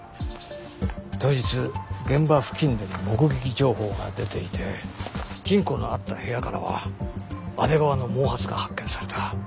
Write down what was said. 当日現場付近での目撃情報が出ていて金庫のあった部屋からは阿出川の毛髪が発見された。